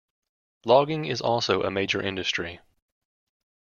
Logging is also a major industry.